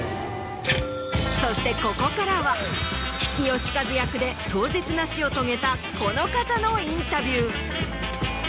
そしてここからは比企能員役で壮絶な死を遂げたこの方のインタビュー。